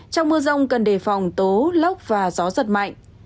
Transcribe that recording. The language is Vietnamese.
trong mưa rông cần đề phòng tố lốc và gió giật mạnh